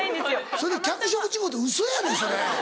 それ脚色違うてウソやねんそれ。